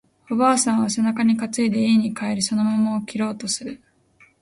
おばあさんは背中に担いで家に帰り、その桃を切ろうとする